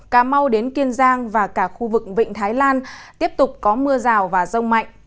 cà mau đến kiên giang và cả khu vực vịnh thái lan tiếp tục có mưa rào và rông mạnh